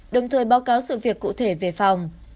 đồng thời báo cáo sự việc cụ thể về phòng